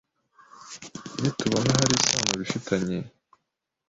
Nitubona hari isano bifitanye